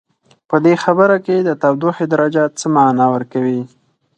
په دې خبر کې د تودوخې درجه څه معنا ورکوي؟